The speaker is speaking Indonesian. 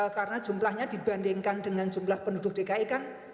karena jumlahnya dibandingkan dengan jumlah penduduk dki kan